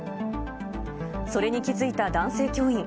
それに気付いた男性教員。